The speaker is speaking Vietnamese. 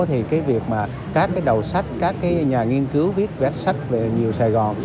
thì việc các đầu sách các nhà nghiên cứu viết sách về nhiều sài gòn